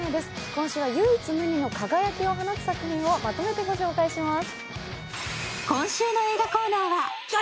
今週は唯一無二の輝きを放つ作品をまとめてご紹介します。